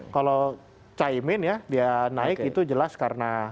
kalau caimin ya dia naik itu jelas karena